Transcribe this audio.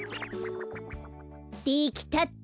できたっと。